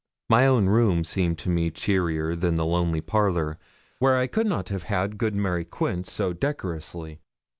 My own room seemed to me cheerier than the lonely parlour, where I could not have had good Mary Quince so decorously.